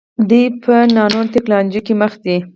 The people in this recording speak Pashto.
دوی په نانو ټیکنالوژۍ کې مخکې دي.